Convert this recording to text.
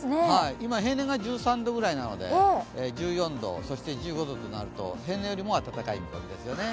今、平年が１３度ぐらいなので１４度、１５度となると平年よりも暖かい見込みですよね。